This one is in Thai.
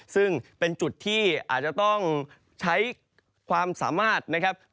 ซึ่งเป็นจุดที่อาจจะต้องใช้ความสามารถนะครับ